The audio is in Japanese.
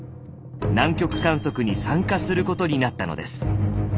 南極観測に参加することになったのです。